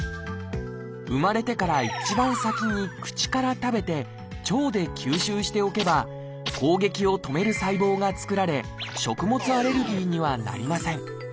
生まれてから一番先に口から食べて腸で吸収しておけば攻撃を止める細胞が作られ食物アレルギーにはなりません。